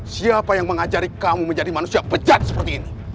siapa yang mengajari kamu menjadi manusia pecat seperti ini